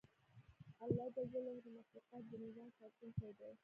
الله ج د مخلوقاتو د نظام ساتونکی دی